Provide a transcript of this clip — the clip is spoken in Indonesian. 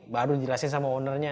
baru dijelasin sama ownernya